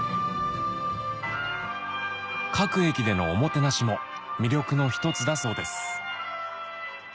各駅でのおもてなしも魅力の一つだそうです